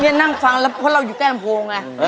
เหนี่ยนนะนั่งฟังแล้วพอเราอยู่ใกล้อัมพงษ์ไง